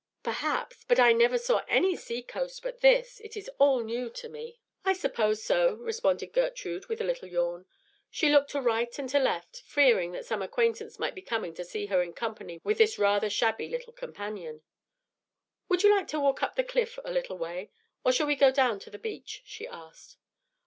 "Perhaps, but I never saw any sea coast but this. It is all new to me." "I suppose so," responded Gertrude, with a little yawn. She looked to right and to left, fearing that some acquaintance might be coming to see her in company with this rather shabby little companion. "Would you like to walk up the Cliffs a little way, or shall we go down to the beach?" she asked.